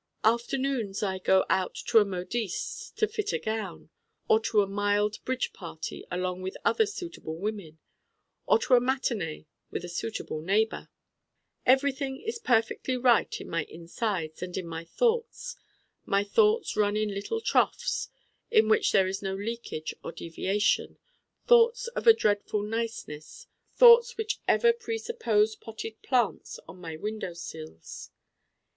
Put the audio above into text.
Afternoons I go out to a modiste's to fit a gown, or to a mild bridge party along with other suitable women, or to a matinée with a suitable neighbor. Everything is perfectly right in my insides and in my thoughts: my thoughts run in little troughs in which there is no leakage or deviation, thoughts of a dreadful niceness, thoughts which ever presuppose potted plants on my window sills.